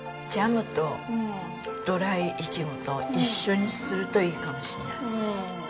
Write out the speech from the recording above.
ジャムとドライいちごと一緒にするといいかもしれない。